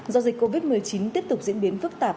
do dịch covid một mươi chín tiếp tục diễn biến phức tạp